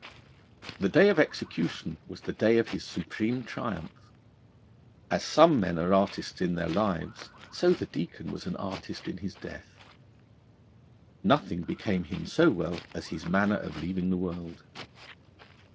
The day of execution was the day of his supreme triumph. As some men are artists in their lives, so the Deacon was an artist in his death. Nothing became him so well as his manner of leaving the world.